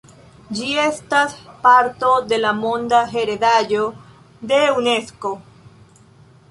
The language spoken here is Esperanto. Ĝi estas parto de la Monda heredaĵo de Unesko.